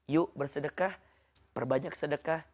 yuk bersedekah berbanyak sedekah